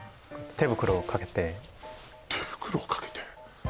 手袋をかけて手袋をかけて？